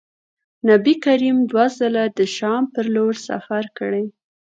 نبي کریم دوه ځلي د شام پر لوري سفر کړی.